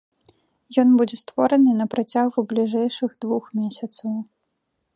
Ён будзе створаны на працягу бліжэйшых двух месяцаў.